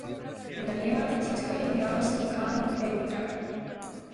На левата цицка ѝ наместил камен белутрак.